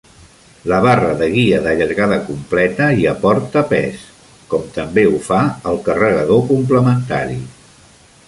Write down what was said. La barra de guia de llargada completa hi aporta pes, com també ho fa el carregador complementari.